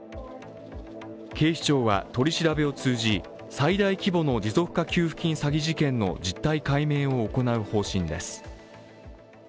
警視庁は取り調べを通じ最大規模の持続化給付金詐欺事件の実態解明を行う方針です。